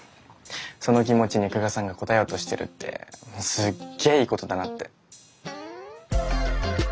その気持ちに久我さんが応えようとしてるってすっげえいいことだなって。